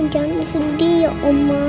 aku bohonganended uat itu saja